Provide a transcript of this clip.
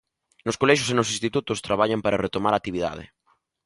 Nos colexios e nos institutos traballan para retomar a actividade.